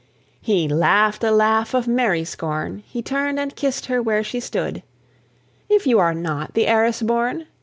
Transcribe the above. He laugh'd a laugh of merry scorn: He turn'd and kiss'd her where she stood: "If you are not the heiress born?